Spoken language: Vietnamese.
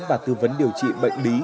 và tư vấn điều trị bệnh lý